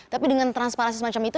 tapi dengan transparansi semacam itu